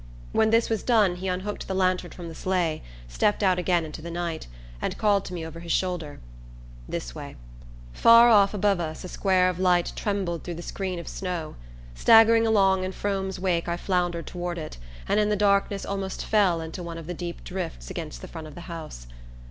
When this was done he unhooked the lantern from the sleigh, stepped out again into the night, and called to me over his shoulder: "This way." Far off above us a square of light trembled through the screen of snow. Staggering along in Frome's wake I floundered toward it, and in the darkness almost fell into one of the deep drifts against the front of the house.